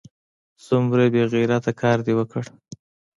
څومره بې غیرته کار دې وکړ!